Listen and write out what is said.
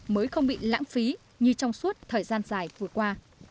mới không bị lãng phí như trong suốt thời gian dài vừa qua